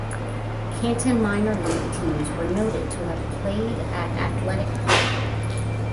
Canton minor league teams were noted to have played at Athletic Park.